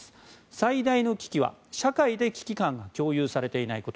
最大の危機は社会で危機感が共有されていないこと。